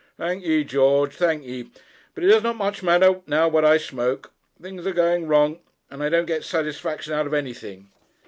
'Thank ye, George; thank ye; but it does not much matter now what I smoke. Things are going wrong, and I don't get satisfaction out of anything.'